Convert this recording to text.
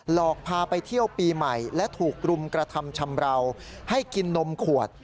หลอกพาไปเที่ยวปีใหม่และถูกรุมกระทำชำราวให้กินนมขวด